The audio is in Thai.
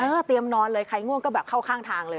เตรียมนอนเลยใครง่วงก็แบบเข้าข้างทางเลย